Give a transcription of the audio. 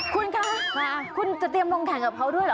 คุณคะคุณจะเตรียมลงแข่งกับเขาด้วยเหรอ